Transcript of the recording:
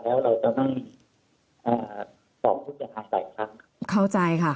เพราะว่าโดยหลักฐานแล้วเราจะไม่สอบทุกอย่างหลักหลักครับ